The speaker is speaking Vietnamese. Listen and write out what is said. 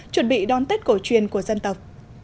chuẩn bị đón tết cổ truyền của dân tộc